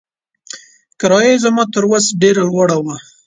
کرایه یې زما تر وس ډېره لوړه وه.